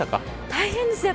大変です。